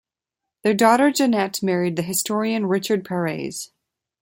Their daughter Janet married the historian Richard Pares.